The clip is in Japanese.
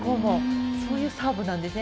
そういうサーブなんですね。